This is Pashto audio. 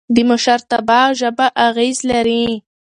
د مشرتابه ژبه اغېز لري